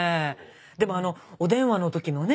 でもあのお電話の時のね